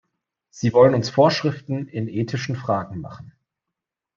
Sie wollen uns Vorschriften in ethischen Fragen machen.